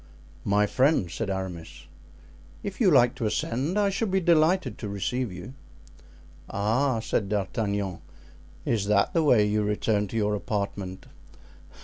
"My friend," said Aramis, "if you like to ascend I shall be delighted to receive you." "Ah," said D'Artagnan, "is that the way you return to your apartment?"